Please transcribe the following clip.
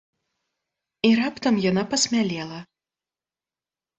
І раптам яна пасмялела.